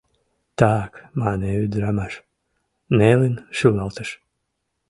— Так, — мане ӱдырамаш, нелын шӱлалтыш.